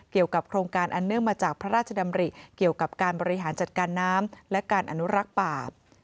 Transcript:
เกี่ยวกับโครงการอันเนื่องมาจากพระราชดำริเกี่ยวกับการบริหารจัดการน้ำและการอนุรักษ์ป่า